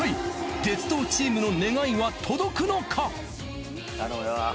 鉄道チームの願いは届くのか？